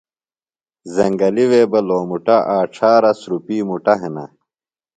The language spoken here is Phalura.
زنگلیۡ وے بہ لومُٹہ آچھارہ سُرُپی مُٹہ ہِنہ۔